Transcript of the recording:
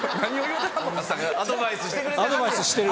アドバイスしてくれてはる。